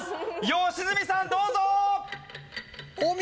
良純さんどうぞー！